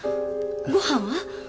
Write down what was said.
ご飯は？